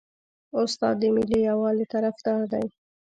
استاد د ملي یووالي طرفدار دی.